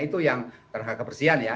itu yang terhadap kebersihan ya